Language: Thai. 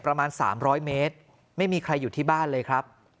ประมาณ๓๐๐เมตรไม่มีใครอยู่ที่บ้านเลยครับ